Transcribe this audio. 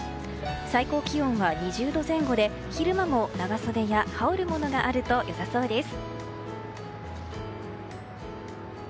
最高気温は２０度前後で昼間も長袖や羽織るものがあると良さそうです。